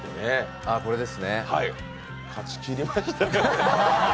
勝ちきりました。